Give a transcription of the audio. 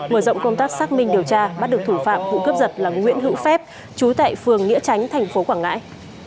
mở rộng công tác xác minh điều tra bắt được thủ phạm vụ cướp giật là nguyễn hữu phép chú tại phường nghĩa tránh thành phố quảng ngãi